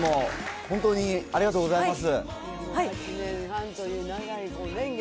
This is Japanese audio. もう本当に丸ちゃん、ありがとうございます。